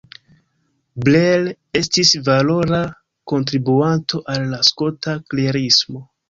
Blair estis valora kontribuanto al la skota klerismo.